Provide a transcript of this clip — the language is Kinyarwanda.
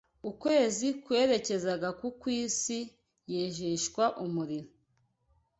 ukwezi kwerekezaga ku kw’isi yejeshwa umuriro